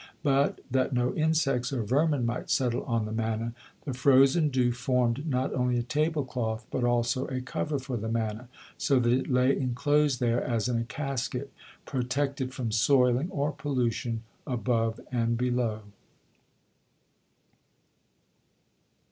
But, that no insects or vermin might settle on the manna, the frozen dew formed not only a tablecloth, but also a cover for the manna, so that it lay enclosed there as in a casket, protected from soiling or pollution above and below.